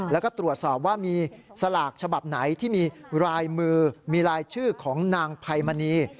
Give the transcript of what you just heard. แล้วก็ตรวจสอบว่ามีสลากฉบับไหนที่มีลายมือมีรายชื่อของนางไพมณี